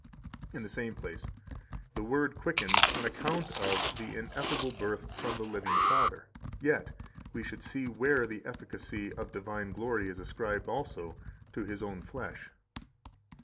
129 In the same place (p. 279): The Word quickens on account of the ineffable birth from the living Father. Yet we should see where the efficacy of divine glory is ascribed also to His own flesh."